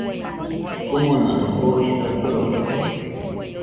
Komonano oo jisa korobaite